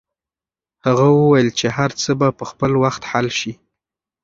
هغه وویل چې هر څه به په خپل وخت حل شي.